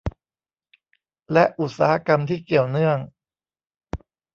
และอุตสาหกรรมที่เกี่ยวเนื่อง